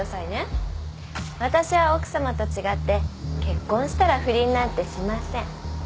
私は奥さまと違って結婚したら不倫なんてしません。